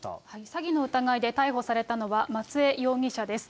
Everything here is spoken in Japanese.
詐欺の疑いで逮捕されたのは、松江容疑者です。